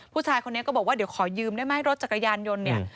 ผู้ชายคนนี้ก็บอกว่าเดี๋ยวขอยืมได้ไหมรถจักรยานยนต์เนี่ย